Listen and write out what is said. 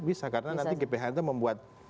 bisa karena nanti gph itu membuat